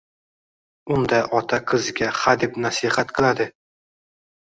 Unda ota qiziga hadeb nasihat qiladi.